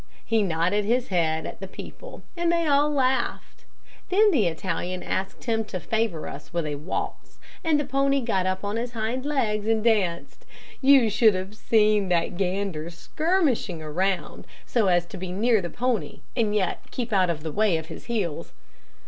He nodded his head at the people, and they all laughed. Then the Italian asked him to favor us with a waltz, and the pony got up on his hind legs and danced. You should have seen that gander skirmishing around, so as to be near the pony and yet keep out of the way of his heels.